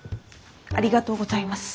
ありがとうございます。